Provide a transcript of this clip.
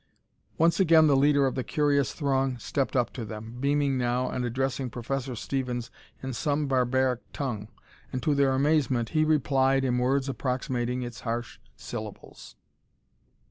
Once again the leader of the curious throng stepped up to them, beaming now and addressing Professor Stevens in some barbaric tongue, and, to their amazement, he replied in words approximating its harsh syllables.